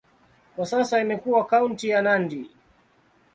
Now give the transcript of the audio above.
Kwa sasa imekuwa kaunti ya Nandi.